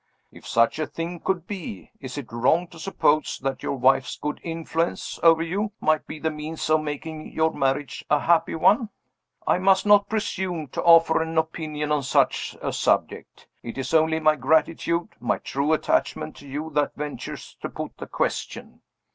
If such a thing could be, is it wrong to suppose that your wife's good influence over you might be the means of making your marriage a happy one? I must not presume to offer an opinion on such a subject. It is only my gratitude, my true attachment to you that ventures to put the question.